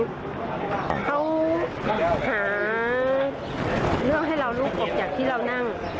เขาหาเลือกให้เรารู้กับอย่างที่เรานั่ง